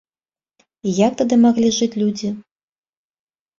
І як тады маглі жыць людзі?